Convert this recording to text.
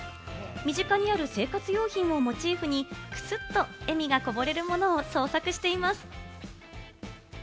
身近にある生活用品をモチーフに、クスッと笑みがこぼれるものを創作しています。